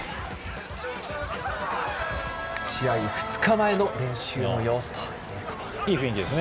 試合２日前の練習の様子ということです。